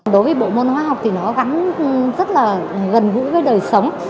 đối với bộ môn hóa học thì nó gắn rất là gần gũi với đời sống